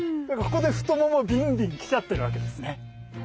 ここで太ももビンビン来ちゃってるわけですね。